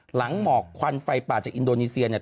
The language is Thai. หมอกควันไฟป่าจากอินโดนีเซียเนี่ย